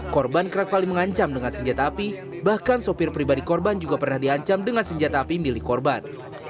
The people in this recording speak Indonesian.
korban kerap kali mengancam dengan senjata api bahkan sopir pribadi korban juga pernah diancam dengan senjata api milik korban